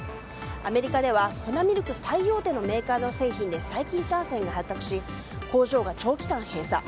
アメリカでは粉ミルク最大手のメーカーの製品で細菌感染が発覚し工場が長期間閉鎖。